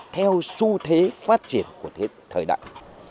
theo xu thế phát triển của thời đại